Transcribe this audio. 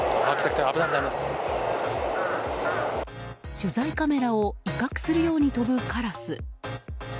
取材カメラを威嚇するように飛ぶカラス。